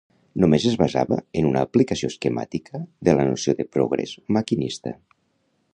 Només es basava en una aplicació esquemàtica de la noció de progrés maquinista.